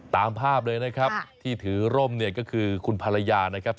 ตามภาพเลยนะครับที่ถือร่มเนี่ยก็คือคุณภรรยานะครับ